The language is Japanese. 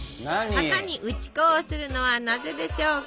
型に打ち粉をするのはなぜでしょうか？